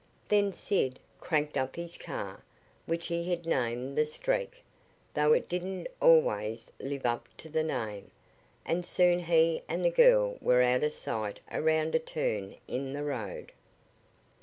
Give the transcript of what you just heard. Then Sid cranked up his car, which he had named the Streak, though it didn't always live up to the name, and soon he and the girl were out of sight around a turn in the road.